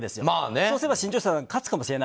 そうすれば新潮社さんが勝つかもしれない。